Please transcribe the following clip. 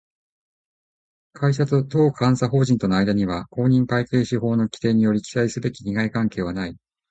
会社と当監査法人との間には、公認会計士法の規定により記載すべき利害関係はない